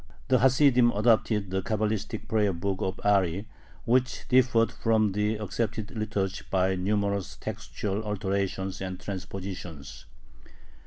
The Hasidim adopted the Cabalistic prayer book of Ari, which differed from the accepted liturgy by numerous textual alterations and transpositions.